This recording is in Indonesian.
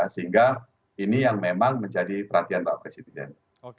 sehingga ini yang memang menjadi perhatian pak presiden